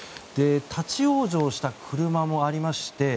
立ち往生した車もありまして